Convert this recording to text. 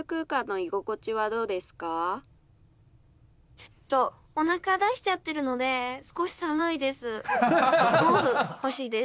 ちょっとおなか出しちゃってるので少し寒いです。